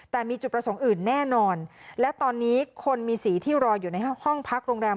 แต่มีจุดประสงค์อื่นแน่นอนและตอนนี้คนมีสีที่รออยู่ในห้องพักโรงแรม